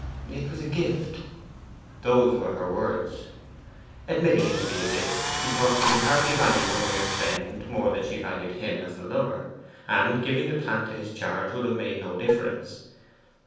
'It was a gift' those were her words. Admitting it to be a gift, he thought she could hardly value a mere friend more than she valued him as a lover, and giving the plant into his charge would have made no difference.